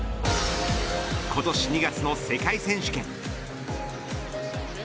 今年２月の世界選手権。